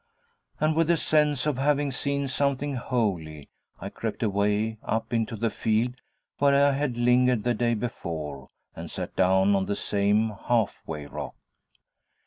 And with the sense of having seen something holy, I crept away up into the field where I had lingered the day before, and sat down on the same halfway rock.